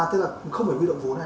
à thế là không phải quy động vốn hả